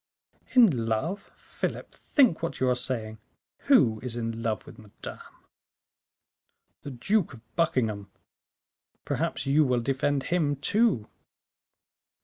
"In love, Philip! think what you are saying. Who is in love with Madame?" "The Duke of Buckingham. Perhaps you will defend him, too?"